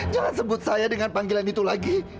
jangan sebut saya dengan panggilan itu lagi